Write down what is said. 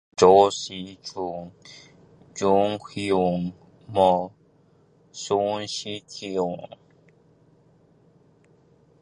Es presentado por Yoo Se Yoon, Jun Hyun Moo y Sung Si Kyung.